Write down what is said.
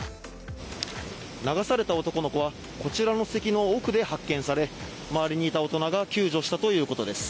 流された男の子はこちらのせきの奥で発見され周りにいた大人が救助したということです。